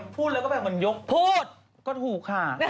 พูดก็ถูกค่ะ